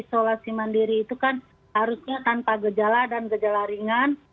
isolasi mandiri itu kan harusnya tanpa gejala dan gejala ringan